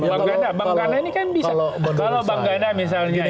bang kanda ini kan bisa kalau bang kanda misalnya ya